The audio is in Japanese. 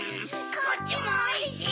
こっちもおいしい！